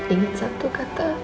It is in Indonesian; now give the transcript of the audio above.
ingat satu kata